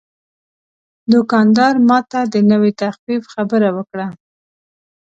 دوکاندار ماته د نوې تخفیف خبره وکړه.